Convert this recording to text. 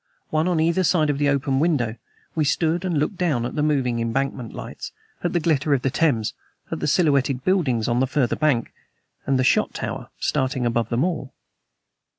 One on either side of the open window, we stood and looked down at the moving Embankment lights, at the glitter of the Thames, at the silhouetted buildings on the farther bank, with the Shot Tower starting above them all.